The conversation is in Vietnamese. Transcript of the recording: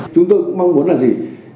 chúng tôi cũng mong muốn là gì